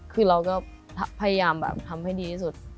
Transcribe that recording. คือเราก็พยายามแบบทำให้ดีที่สุด